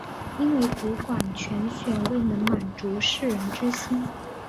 因为主管铨选未能满足士人之心。